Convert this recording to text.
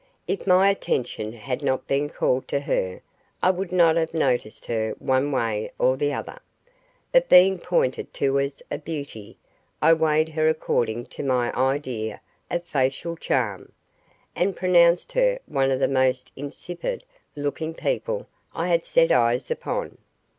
If my attention had not been called to her I would not have noticed her one way or the other, but being pointed to as a beauty, I weighed her according to my idea of facial charm, and pronounced her one of the most insipid looking people I had set eyes upon.